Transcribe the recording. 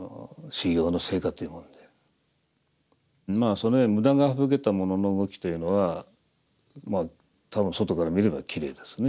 その辺無駄が省けた者の動きというのは多分外から見ればきれいですね。